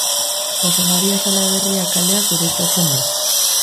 Jose Maria Salaberria kaleak gurutzatzen du.